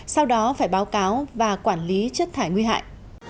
sau đó phải báo cáo và quản lý chất thải nguy hại